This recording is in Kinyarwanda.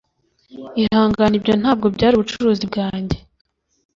Ihangane ibyo ntabwo byari ubucuruzi bwanjye